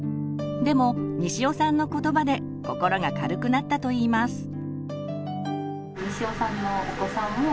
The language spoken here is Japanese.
でも西尾さんの言葉で心が軽くなったといいます。